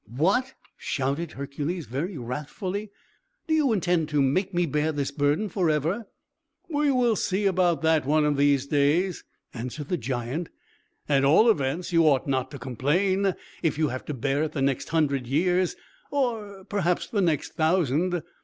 "What!" shouted Hercules, very wrathfully, "do you intend to make me bear this burden forever?" "We will see about that, one of these days," answered the giant. "At all events, you ought not to complain if you have to bear it the next hundred years, or perhaps the next thousand.